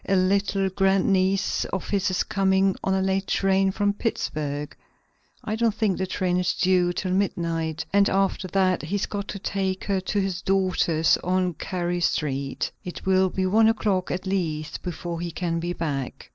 "A little grandniece of his is coming on a late train from Pittsburgh. I don't think the train is due till midnight, and after that he's got to take her to his daughter's on Carey Street. It will be one o'clock at least before he can be back."